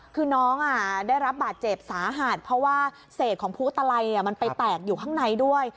คือน้องได้รับบาดเจ็บสาหัสเพราะว่าเศษของผู้ตะไลมันไปแตกอยู่ข้างในด้วย